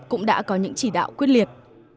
cũng đã có những chỉ đạo quyết liệt